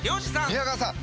宮川さん